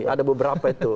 ada beberapa itu